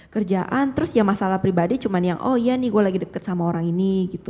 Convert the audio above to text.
kerjaan terus ya masalah pribadi cuma yang oh iya nih gue lagi deket sama orang ini gitu